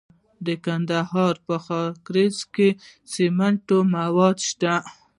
د کندهار په خاکریز کې د سمنټو مواد شته.